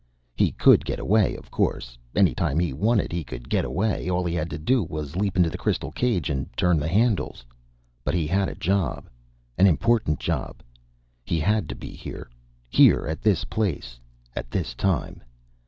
He could get away, of course. Anytime he wanted to he could get away. All he had to do was to leap into the crystal cage and turn the handles. But he had a job, an important job. He had to be here, here at this place, at this time.